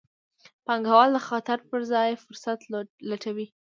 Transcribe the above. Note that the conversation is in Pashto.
پانګوال د خطر پر ځای فرصت لټوي.